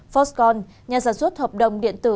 foxconn nhà sản xuất hợp đồng điện tử